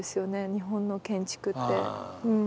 日本の建築って。